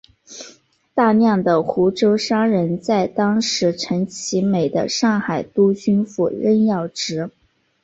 大量的湖州商人在当时陈其美的上海督军府任要职。